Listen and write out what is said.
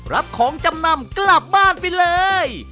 รับของจำนำกลับบ้านไปเลย